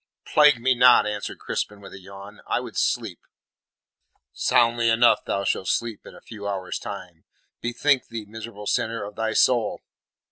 "Plague me not," answered Crispin, with a yawn. "I would sleep." "Soundly enough shalt thou sleep in a few hours' time. Bethink thee, miserable sinner, of thy soul."